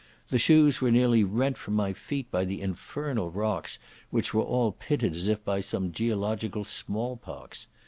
The shoes were nearly rent from my feet by the infernal rocks, which were all pitted as if by some geological small pox.